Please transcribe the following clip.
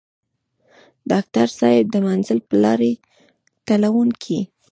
ډاکټر صېب د منزل پۀ لارې تلونکے